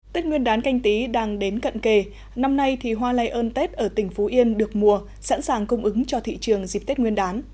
tết nguyên đán canh tí đang đến cận kề năm nay thì hoa lây ơn tết ở tỉnh phú yên được mùa sẵn sàng cung ứng cho thị trường dịp tết nguyên đán